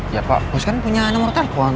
ya pak bus kan punya nomor telepon